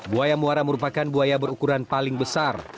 buaya muara merupakan buaya berukuran paling besar